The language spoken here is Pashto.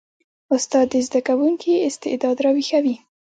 استاد د زده کوونکي استعداد راویښوي.